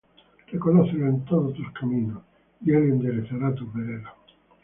Reconócelo en todos tus caminos, Y él enderezará tus veredas.